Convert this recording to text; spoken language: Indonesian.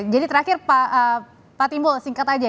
jadi terakhir pak timbul singkat aja